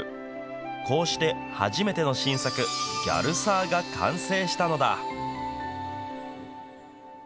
こうして、初めての新作、ギャルサーが完成したのだ。